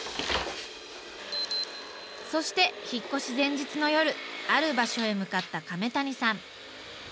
そして引っ越し前日の夜ある場所へ向かった亀谷さん。